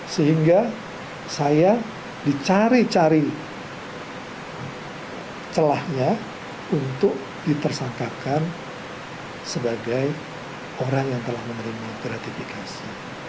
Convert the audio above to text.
sehingga saya dicari cari celahnya untuk ditersangkakan sebagai orang yang telah menerima gratifikasi